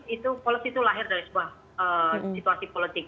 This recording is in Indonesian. itu policy itu lahir dari sebuah situasi politik